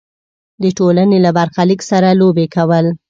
د ټولنې له برخلیک سره لوبې کول.